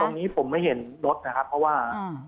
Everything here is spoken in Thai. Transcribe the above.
ตรงนี้ผมไม่เห็นรถนะครับเพราะว่า